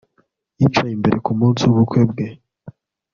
Yicaye imbere ku munsi wubukwe bwe